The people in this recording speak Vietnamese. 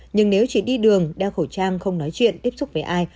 nhưng nếu chỉ đi đường đeo khẩu trang không nói chuyện tiếp xúc với ai